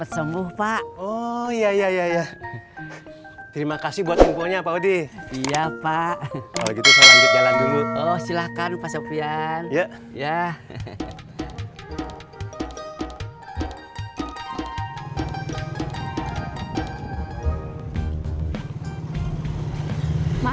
sampai jumpa di video selanjutnya